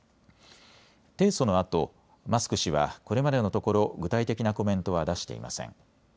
提訴のあとマスク氏はこれまでのところ具体的なコメントは出していません。